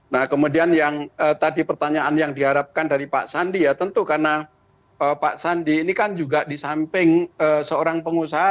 nah kemudian yang tadi pertanyaan yang diharapkan dari pak sandi ya tentu karena pak sandi ini kan juga di samping seorang pengusaha